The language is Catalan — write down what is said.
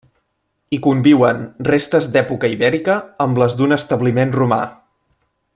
Hi conviuen restes d'època ibèrica amb les d'un establiment romà.